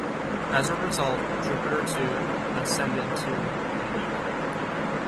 As a result Jodhpur, too, acceded to India.